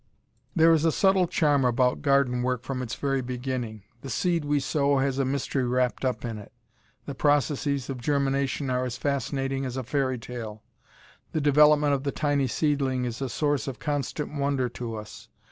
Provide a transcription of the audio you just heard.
There is a subtle charm about garden work from its very beginning. The seed we sow has a mystery wrapped up in it. The processes of germination are as fascinating as a fairytale. The development of the tiny seedling is a source of constant wonder to us.